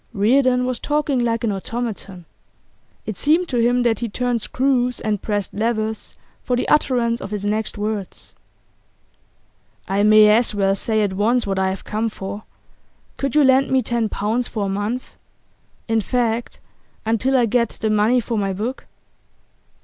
Reardon was talking like an automaton. It seemed to him that he turned screws and pressed levers for the utterance of his next words. 'I may as well say at once what I have come for. Could you lend me ten pounds for a month in fact, until I get the money for my book?